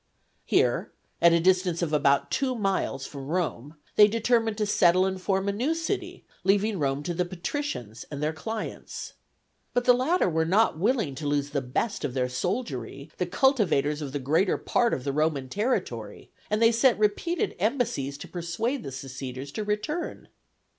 Here, at a distance of about two miles from Rome, they determined to settle and form a new city, leaving Rome to the patricians and their clients. But the latter were not willing to lose the best of their soldiery, the cultivators of the greater part of the Roman territory, and they sent repeated embassies to persuade the seceders to return.